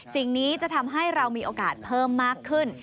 สิ่งนี้จะทำให้เรามีโอกาสเพิ่มมากขึ้น